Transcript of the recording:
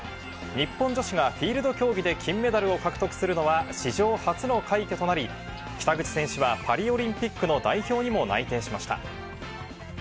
日本女子がフィールド競技で金メダルを獲得するのは史上初の快挙となり、北口選手はパリオリンピックの代表にも内定しました。